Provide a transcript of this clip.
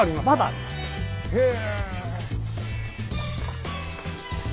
へえ！